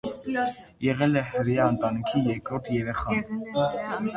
Եղել է հրեա ընտանիքի երկրորդ երեխան։